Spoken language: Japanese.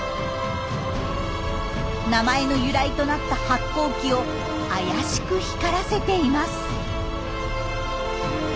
名前の由来となった発光器を怪しく光らせています。